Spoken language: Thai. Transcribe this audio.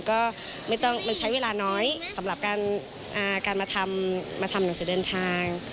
ก็ไม่ต้องมันใช้เวลาน้อยสำหรับการมาทำหนังสือเดินทาง